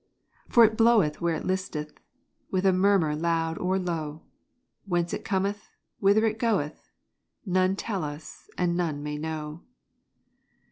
For it bloweth where it listeth, With a murmur loud or low; Whence it cometh whither it goeth None tell us, and none may know.